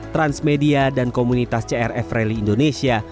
transmedia dan komunitas crf rally indonesia